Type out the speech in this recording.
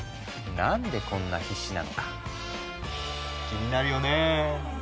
何でこんな必死なのか気になるよね？